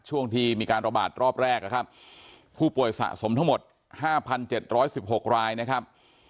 ช่วงที่มีการระบาดรอบแรกนะครับผู้ป่วยสะสมทั้งหมด๕๗๑๖รายนะครับ